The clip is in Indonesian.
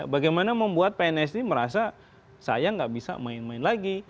bagaimana membuat pns ini merasa saya nggak bisa main main lagi